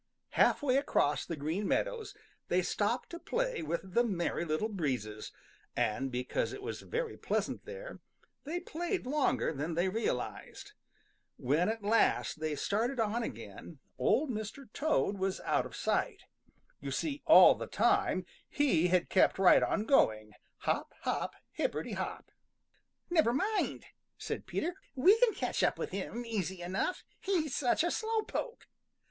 Half way across the Green Meadows they stopped to play with the Merry Little Breezes, and because it was very pleasant there, they played longer than they realized. When at last they started on again, Old Mr. Toad was out of sight. You see all the time he had kept right on going, hop, hop, hipperty hop. "Never mind," said Peter, "we can catch up with him easy enough, he's such a slow poke."